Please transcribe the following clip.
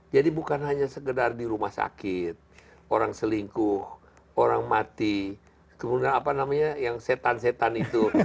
jadi bukan hanya sekedar di rumah sakit orang selingkuh orang mati kemudian apa namanya yang setan setan itu